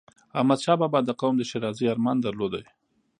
احمدشاه بابا د قوم د ښېرازی ارمان درلود.